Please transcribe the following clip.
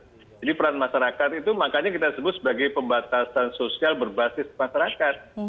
jadi peran masyarakat itu makanya kita sebut sebagai pembatasan sosial berbasis masyarakat